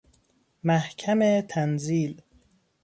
محکم تنزیل